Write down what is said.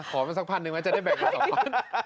อ๋อขอมันสักพันหนึ่งไหมจะได้แบ่งมาสักพัน